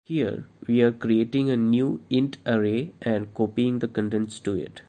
Here, we are creating a new int array and copying the contents to it.